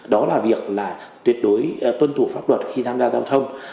đó là việc là tuyệt đối tuân thủ pháp luật khi tham gia giao thông